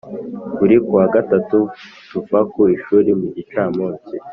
Buri kuwa gatatu tuva ku ishuli mu gicamunsi